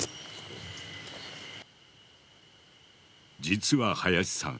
実は林さん